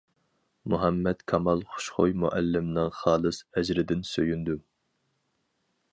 مۇھەممەد كامال خۇشخۇي مۇئەللىمنىڭ خالىس ئەجرىدىن سۆيۈندۈم.